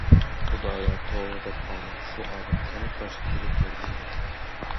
خۇدايا توۋا دەپ قالدىم، شۇ ئادەم كەنت باشلىقى بولۇپ سايلاندى.